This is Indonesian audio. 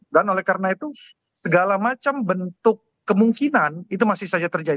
dan oleh karena itu segala macam bentuk kemungkinan itu masih saja terjadi